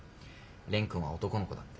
蓮くんは男の子だって。